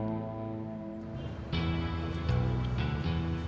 untuk dua kat sini